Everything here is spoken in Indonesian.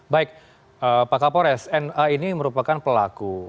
baik pak kapolres na ini merupakan pelaku